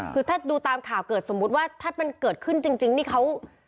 คือถ้าดูตามข่าวเกิดสมมุติว่าถ้ามันเกิดขึ้นจริงนี่เขา